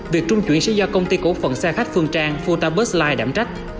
việc trung chuyển sẽ do công ty cổ phận xe khách phương trang futabus ligh đảm trách